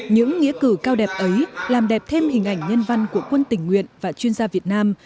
những nghĩa cử cao đẹp ấy làm đẹp thêm hình ảnh nhân văn của quân tình nguyện và chuyên gia việt nam